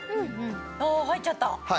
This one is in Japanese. ああ入っちゃった。